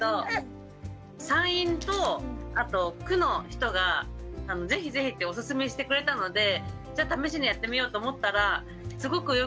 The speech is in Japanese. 産院とあと区の人が是非是非っておすすめしてくれたのでじゃあ試しにやってみようと思ったらすごくよくて。